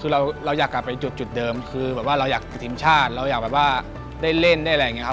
คือเราอยากกลับไปจุดเดิมคือแบบว่าเราอยากติดทีมชาติเราอยากแบบว่าได้เล่นได้อะไรอย่างนี้ครับ